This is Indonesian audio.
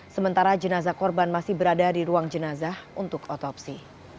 sementara jenazah korban masih berada di ruang jenazah untuk otopsi